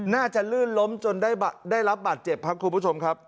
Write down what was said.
ลื่นล้มจนได้รับบาดเจ็บครับคุณผู้ชมครับ